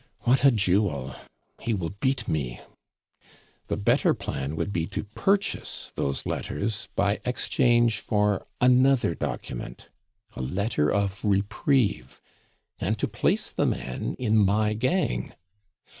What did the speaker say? What a duel! He will beat me. The better plan would be to purchase those letters by exchange for another document a letter of reprieve and to place the man in my gang.